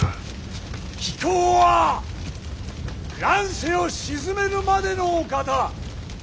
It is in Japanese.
貴公は乱世を鎮めるまでのお方。